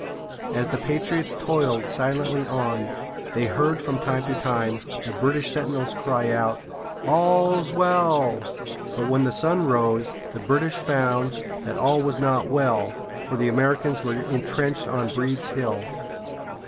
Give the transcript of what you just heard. As the patriots toiled silently on, they heard from time to time the British sentinels cry out, "All's well!" But when the sun rose, the British found that all was not well, for the Americans were intrenched on Breeds Hill.